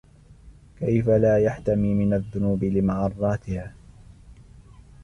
كَيْفَ لَا يَحْتَمِي مِنْ الذُّنُوبِ لِمَعَرَّاتِهَا